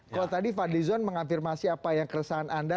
kalau tadi fadlizon mengafirmasi apa yang keresahan anda